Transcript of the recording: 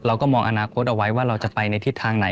เราก็มองอนาคตเอาไว้ว่าเราจะไปในทิศทางไหน